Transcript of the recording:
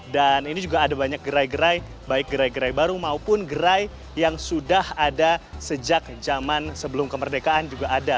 dan ini juga ada banyak gerai gerai baik gerai gerai baru maupun gerai yang sudah ada sejak zaman sebelum kemerdekaan juga ada